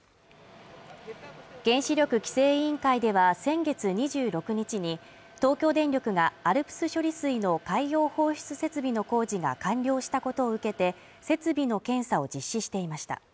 原子力規制委員会では先月２６日に東京電力がＡＬＰＳ処理水の海洋放出設備の工事が完了したことを受けて、設備の検査を実施していました。